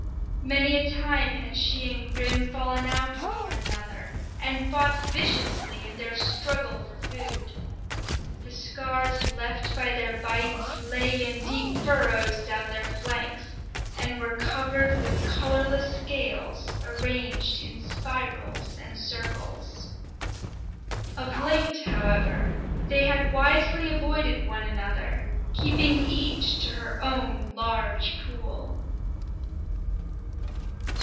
Many a time had she and Grim fallen out with one another, and fought viciously in their struggle for food. The scars left by their bites lay in deep furrows down their flanks, and were covered with colourless scales arranged in spirals and circles. Of late, however, they had wisely avoided one another, keeping each to her own large pool.